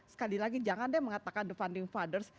sekali lagi jangan dia mengatakan the funding fathers